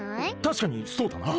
たしかにそうだな。